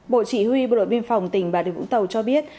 bộ chỉ huy bộ đội biên phòng tỉnh bà rịa vũng tàu cho biết